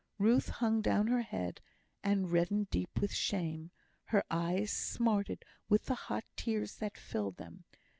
Ruth hung down her head, and reddened deep with shame; her eyes smarted with the hot tears that filled them.